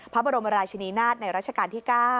พระบรมราชินีนาฏในราชการที่๙